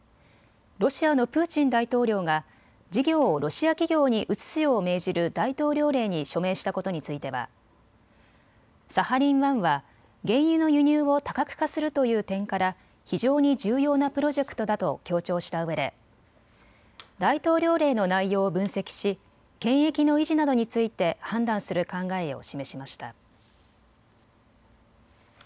ロシアのプーチン大統領が事業をロシア企業に移すよう命じる大統領令に署名したことについてはサハリン１は原油の輸入を多角化するという点から非常に重要なプロジェクトだと強調したうえで大統領令の内容を分析し権益の維持などについて判断する考えを示しました。